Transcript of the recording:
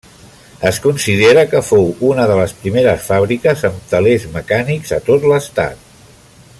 Es considera que fou una de les primeres fàbriques amb telers mecànics a tot l'Estat.